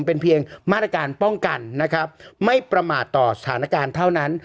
เป็นเพียงมาตรการป้องกันนะครับไม่ประมาทต่อสถานการณ์เท่านั้น